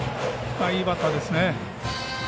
いいバッターですね。